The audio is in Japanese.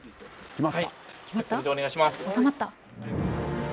収まった？